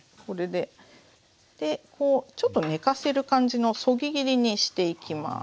でこうちょっと寝かせる感じのそぎ切りにしていきます。